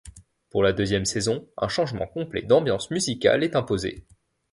Pour la deuxième saison, un changement complet d'ambiance musicale est imposé.